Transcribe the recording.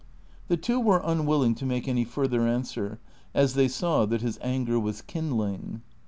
The two were luiwilling to make any further answer, as they saw that his anger was kindling.